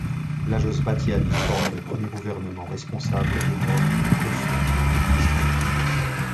Lajos Batthyány forme le premier gouvernement responsable et nomme Kossuth ministre des Finances.